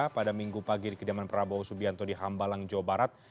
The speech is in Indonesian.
pada minggu pagi di kediaman prabowo subianto di hambalang jawa barat